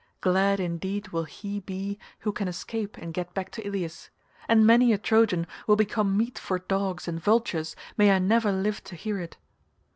Glad indeed will he be who can escape and get back to Ilius, and many a Trojan will become meat for dogs and vultures may I never live to hear it.